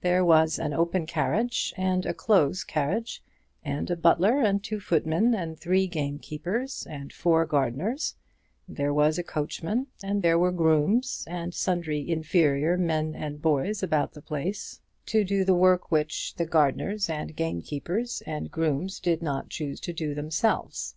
There was an open carriage and a close carriage, and a butler, and two footmen, and three gamekeepers, and four gardeners, and there was a coachman, and there were grooms, and sundry inferior men and boys about the place to do the work which the gardeners and gamekeepers and grooms did not choose to do themselves.